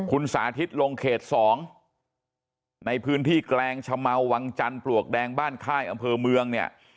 คุณสาธิตลงเขต๒ในพื้นที่แกลงชะเมาวังจันทร์ปลวกแดงบ้านค่ายอำเภอเมืองเนี่ย